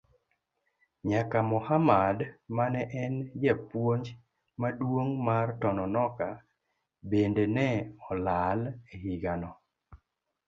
Nyaka Mohammad mane en japuonj maduong' mar Tononoka bende ne olal e higano.